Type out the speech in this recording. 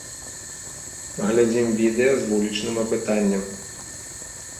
Глядзім відэа з вулічным апытаннем.